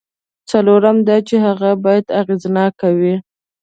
څلورم دا چې هغه باید اغېزناک وي.